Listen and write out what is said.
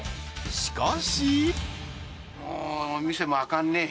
［しかし］